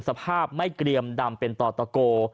สภาพไม่เกรียมดำเป็นต่อตะโก